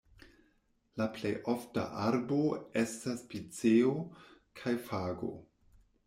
La plej ofta arbo estas piceo kaj fago.